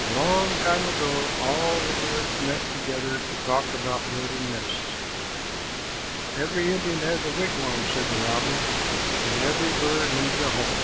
A long time ago all the birds met together to talk about building nests. "Every Indian has a wigwam," said the robin, "and every bird needs a home."